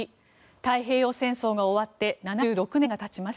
太平洋戦争が終わって７６年が経ちます。